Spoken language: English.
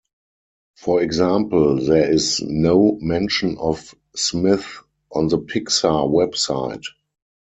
For example, there is no mention of Smith on the Pixar website.